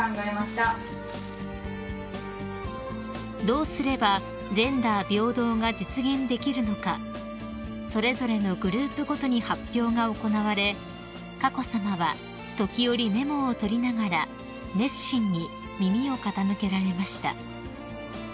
［どうすればジェンダー平等が実現できるのかそれぞれのグループごとに発表が行われ佳子さまは時折メモを取りながら熱心に耳を傾けられました］